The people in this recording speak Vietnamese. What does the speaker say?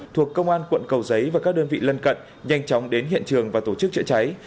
thuộc công an quận cầu giấy và các đơn vị lân cận nhanh chóng đến hiện trường và tổ chức chữa cháy